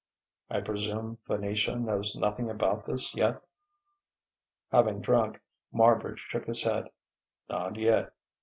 "I presume Venetia knows nothing about this, yet?" Having drunk, Marbridge shook his head. "Not yet.